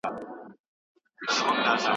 خلګ به نور پيغورونه ونه زغمي.